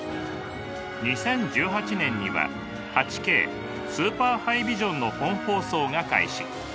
２０１８年には８Ｋスーパーハイビジョンの本放送が開始。